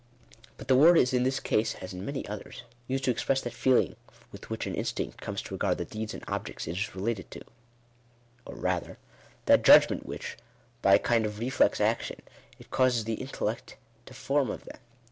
But the word is in this case, as in many others, used to express that feeling with which an instinct comes to regard the deeds and objects it is related to ; or rather that judgment which, by a kind of reflex action, it causes the intellect to form of them.